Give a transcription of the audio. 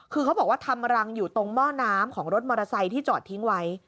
คือเขาบอกว่าทำรังอยู่ตรงหม้อน้ำของรถมอเตอร์ไซค์ที่จอดทิ้งไว้